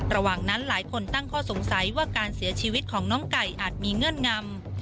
ระหว่างนั้นหลายคนตั้งข้อสงสัยว่าการเสียชีวิตของน้องไก่อาจมีเงื่อนงำ